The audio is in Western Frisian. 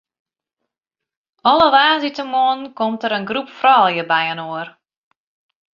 Alle woansdeitemoarnen komt dêr in groep froulju byinoar.